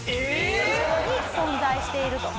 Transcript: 以上に存在していると。